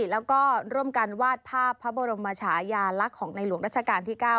แล้วก็ร่วมกันวาดภาพพระบรมชายาลักษณ์ของในหลวงรัชกาลที่๙